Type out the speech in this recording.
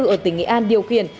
ở tỉnh nghệ an điều khiển